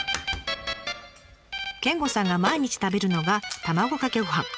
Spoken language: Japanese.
健吾さんが毎日食べるのが卵かけごはん。